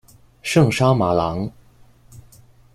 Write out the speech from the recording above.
圣沙马朗。